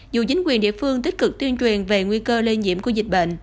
dù chính quyền địa phương tích cực tuyên truyền về nguy cơ lây nhiễm của dịch bệnh